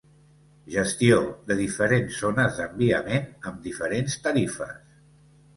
Gestió de diferents zones d'enviament amb diferents tarifes.